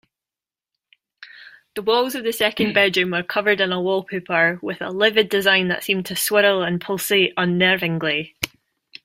The walls of the second bedroom were covered in a wallpaper with a livid design that seemed to swirl and pulsate unnervingly.